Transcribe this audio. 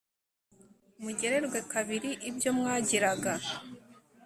mugererwe kabiri ibyo mwageraga